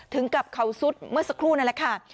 ถึงกับเขาสุดเมื่อสักครู่นั่นแหละค่ะ